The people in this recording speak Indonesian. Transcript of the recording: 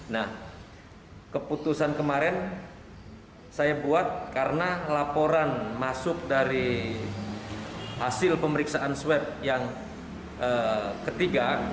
nah keputusan kemarin saya buat karena laporan masuk dari hasil pemeriksaan swab yang ketiga